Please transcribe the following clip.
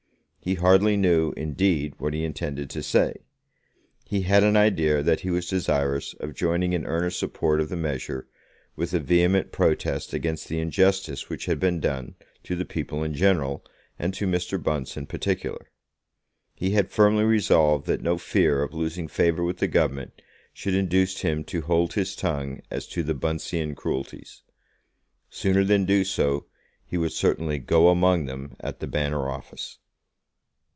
He hardly knew, indeed, what he intended to say. He had an idea that he was desirous of joining in earnest support of the measure, with a vehement protest against the injustice which had been done to the people in general, and to Mr. Bunce in particular. He had firmly resolved that no fear of losing favour with the Government should induce him to hold his tongue as to the Buncean cruelties. Sooner than do so he would certainly "go among them" at the Banner office.